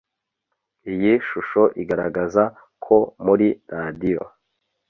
iyi shusho igaragaza ko muri radiyo